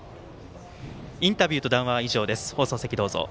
インタビューと談話は以上です。